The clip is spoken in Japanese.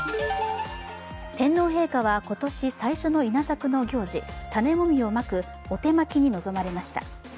天皇陛下は今年最初の稲作の行事、種もみをまくお手まきに臨まれました。